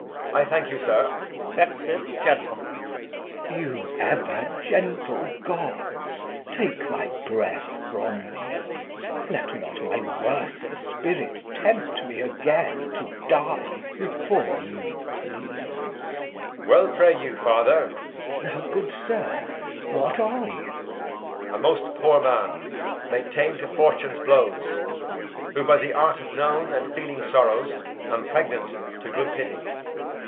Edg. I thank you, sir Exit [Gentleman]. Glou. You ever gentle gods, take my breath from me; Let not my worser spirit tempt me again To die before you please! Edg. Well pray you, father. Glou. Now, good sir, what are you? Edg. A most poor man, made tame to fortune's blows, Who, by the art of known and feeling sorrows, Am pregnant to good pity.